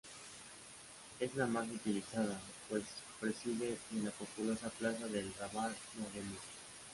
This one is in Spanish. Es la más utilizada, pues preside la populosa Plaza del Rabal de Ademuz.